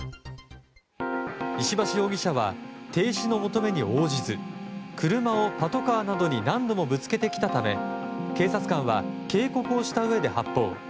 石橋容疑者は停止の求めに応じず車をパトカーなどに何度もぶつけてきたため警察官は警告をしたうえで発砲。